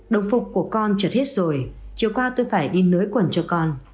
đồng phục của con chật hết rồi chiều qua tôi phải đi nới quần cho con